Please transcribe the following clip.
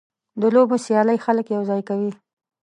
د لوبو سیالۍ خلک یوځای کوي.